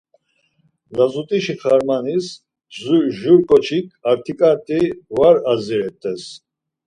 Lazut̆işi xarmanis jur ǩoçis artikarti var adziret̆es.